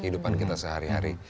kehidupan kita sehari hari